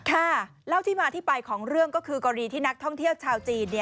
เล่าที่มาที่ไปของเรื่องก็คือกรณีที่นักท่องเที่ยวชาวจีน